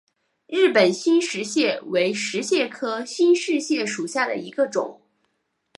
日本新石蟹为石蟹科新石蟹属下的一个种。